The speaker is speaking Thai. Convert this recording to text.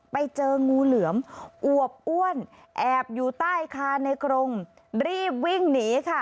ไปเจองูเหลือมอวบอ้วนแอบอยู่ใต้คานในกรงรีบวิ่งหนีค่ะ